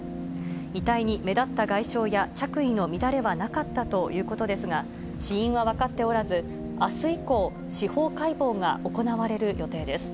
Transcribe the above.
遺体に目立った外傷や着衣の乱れはなかったということですが、死因は分かっておらず、あす以降、司法解剖が行われる予定です。